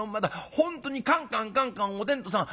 本当にカンカンカンカンおてんとさん